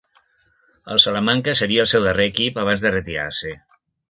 El Salamanca seria el seu darrer equip abans de retirar-se.